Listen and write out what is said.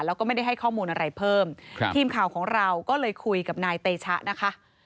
แล้วก็ไม่ได้ให้ข้อมูลอะไรเพิ่มครับทีมข่าวของเราก็เลยคุยกับนายเตชะนะคะ